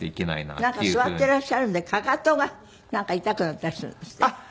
なんか座っていらっしゃるんでかかとが痛くなったりするんですって？